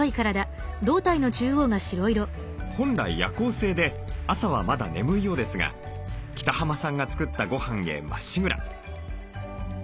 本来夜行性で朝はまだ眠いようですが北濱さんが作ったごはんへまっしぐら。